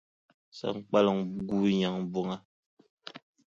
Saŋkpaliŋ guui nyaŋ buŋa.